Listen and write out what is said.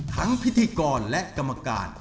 พิธีกรและกรรมการ